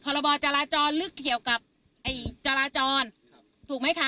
พรบจราจรลึกเกี่ยวกับไอ้จราจรถูกไหมคะ